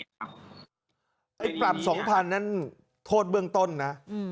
ครับปรับสองพันนั้นโทษเบื้องต้นนะอืม